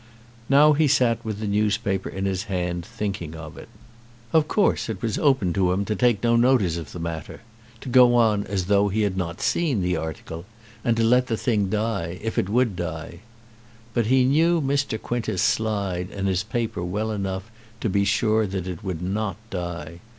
Now he sat with the newspaper in his hand thinking of it. Of course it was open to him to take no notice of the matter, to go on as though he had not seen the article, and to let the thing die if it would die. But he knew Mr. Quintus Slide and his paper well enough to be sure that it would not die.